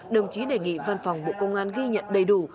đồng chí đề nghị văn phòng bộ công an ghi nhận đầy đủ